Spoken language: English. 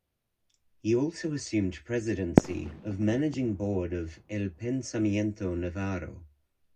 He also assumed presidency of managing board of "El Pensamiento Navarro".